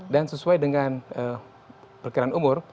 dan sesuai dengan perkiraan umur